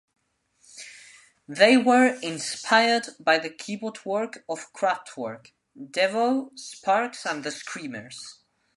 They were inspired by the keyboard work of Kraftwerk, Devo, Sparks and The Screamers.